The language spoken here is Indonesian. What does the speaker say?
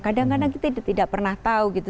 kadang kadang kita tidak pernah tahu gitu